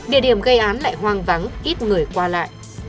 địa điểm gây án lại hoang vắng ít người qua lại